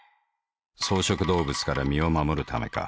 草食動物から身を護るためか。